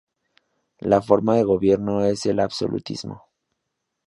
La forma de gobierno es el absolutismo.